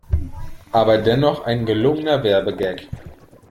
Aber dennoch ein gelungener Werbegag.